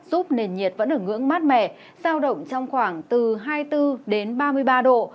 giúp nền nhiệt vẫn ở ngưỡng mát mẻ sao động trong khoảng hai mươi bốn ba mươi ba độ